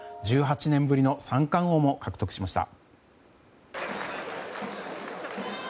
１８年ぶりの三冠王も獲得しました。